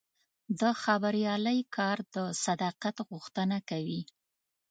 د خبریالۍ کار د صداقت غوښتنه کوي.